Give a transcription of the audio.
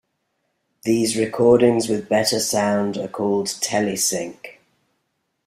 These recordings with better sound are called telesync.